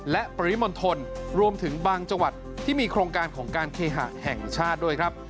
และปริมณฑลรวมถึงบางจังหวัดที่มีโครงการของการเคหะแห่งชาติด้วยครับ